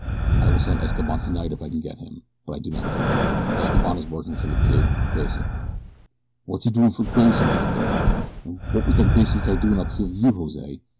"I will send Esteban tonight if I can get him; but I do not know. Esteban is working for the pig, Grayson." "Wot's he doin' fer Grayson?" asked Billy. "And what was the Grayson guy doin' up here with you, Jose?